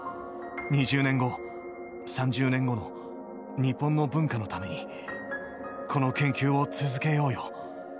２０年後３０年後の日本の文化のためにこの研究を続けようよ。